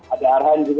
ada arhan juga